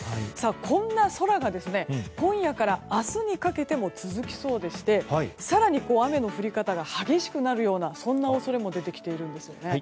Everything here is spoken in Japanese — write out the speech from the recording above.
こんな空が今夜から明日にかけても続きそうでして更に雨の降り方が激しくなるような恐れも出てきているんです。